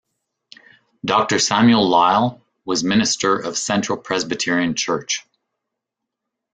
Doctor Samuel Lyle, was minister of Central Presbyterian Church.